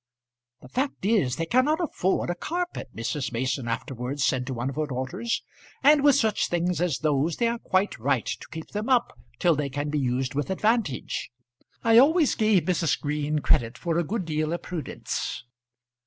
"The fact is they cannot afford a carpet," Mrs. Mason afterwards said to one of her daughters, "and with such things as those they are quite right to keep them up till they can be used with advantage. I always gave Mrs. Green credit for a good deal of prudence."